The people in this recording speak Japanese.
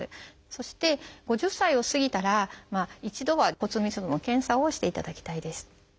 そして５０歳を過ぎたら一度は骨密度の検査をしていただきたいです。